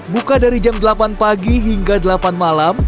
buka dari jam delapan pagi hingga delapan malam